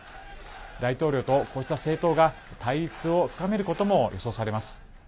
大統領と、こうした政党が対立を深めることも予想されます。